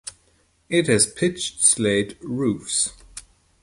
It has pitched slate roofs.